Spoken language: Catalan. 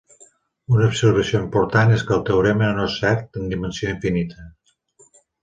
Una observació important és que el teorema no és cert en dimensió infinita.